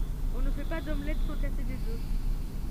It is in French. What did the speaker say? On ne fait pas d'omelette sans casser des œufs.